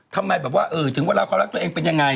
ทำไมแบบว่าถึงเวลาความรักตัวเองเป็นยังไง